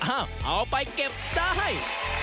เอาไปเก็บได้